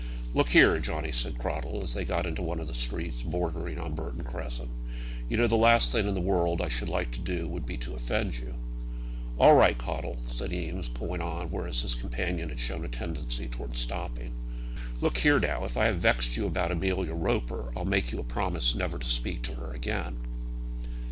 "Look here, Johnny," said Cradell, as they got into one of the streets bordering on Burton Crescent, "you know the last thing in the world I should like to do would be to offend you." "All right, Caudle," said Eames, going on, whereas his companion had shown a tendency towards stopping. "Look here, now; if I have vexed you about Amelia Roper, I'll make you a promise never to speak to her again."